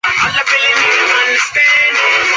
绿花玉凤花为兰科玉凤花属下的一个种。